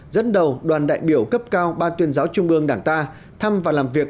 dẫn đầu đoàn đại biểu cấp cao ban tuyên giáo trung ương đảng ta thăm và làm việc